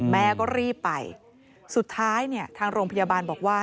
แม่ก็รีบไปสุดท้ายเนี่ยทางโรงพยาบาลบอกว่า